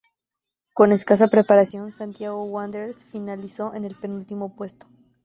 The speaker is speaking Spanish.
Con escasa preparación, Santiago Wanderers finalizó en el penúltimo puesto.